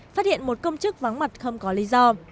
phát hiện một công chức vắng mặt không có lý do